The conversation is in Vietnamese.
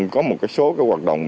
có một số hoạt động